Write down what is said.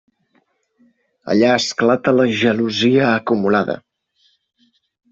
Allà esclata la gelosia acumulada.